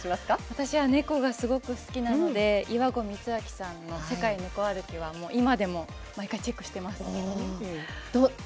私は猫がすごく好きなので、岩合さんの「世界ネコ歩き」は今でも毎回チェックしています。